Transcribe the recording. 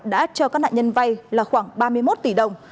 đã cho các nạn nhân vay là khoảng ba mươi một tỷ đồng